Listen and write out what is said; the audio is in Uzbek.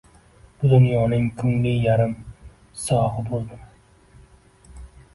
Bu dunyoning kungli yarim sogi buldim